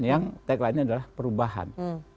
yang tagline nya adalah perubahan